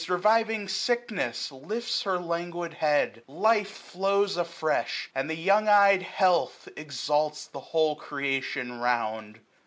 Reviving Sickness lifts her languid head ; Life flows afresh j and young ey'd Health exalts 899 The whole creation round.